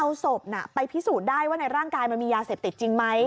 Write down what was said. เอาศพไปพิสูจน์ได้ว่าในร่างกายมันมียาเสพติดจริงไหม